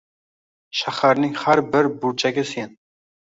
Shaharning har bir burchagi sen